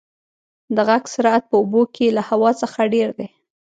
د غږ سرعت په اوبو کې له هوا څخه ډېر دی.